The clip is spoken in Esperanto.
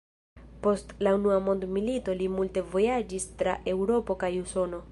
Post la unua mondmilito li multe vojaĝis tra Eŭropo kaj Usono.